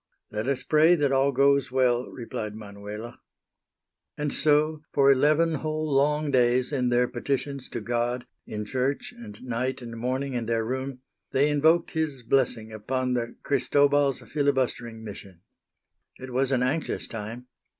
"Let us pray that all goes well," replied Manuela. And so for eleven whole long days, in their petitions to God, in church and night and morning in their room, they invoked His blessing upon the Cristobal's filibustering mission. It was an anxious time.